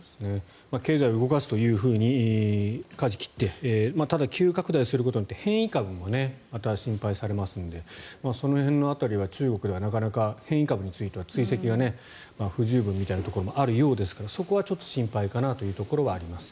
経済を動かすというふうにかじを切ってただ、急拡大することによって変異株もまた心配されますのでその辺の辺りは中国ではなかなか、変異株については追跡が不十分みたいなところもあるようですからそこはちょっと心配かなというところはあります。